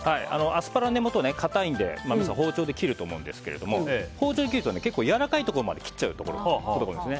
アスパラの根元は硬いので皆さん包丁で切ると思うんですが包丁で切るとやわらかいところまで切っちゃうことがあるんです。